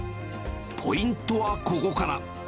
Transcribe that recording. ポイントはここから。